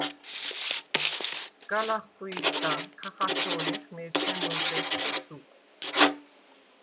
სგა ლახხვი̄დდა, ქა ხათო̄ნეხ მესმე მჷლდეღთე შუკვ.